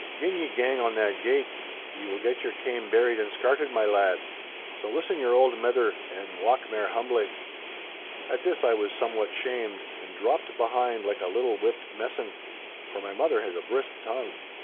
Gin ye gang on that gait, ye will get your kame berried and scarted, my lad. So listen your auld mither, and walk mair humbly.' At this I was somewhat shamed, and dropped behind like a little whipped messan; for my mother has a brisk tongue.